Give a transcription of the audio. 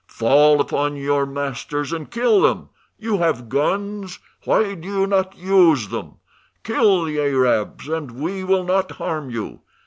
Fall upon your cruel masters and kill them! You have guns, why do you not use them? Kill the Arabs, and we will not harm you.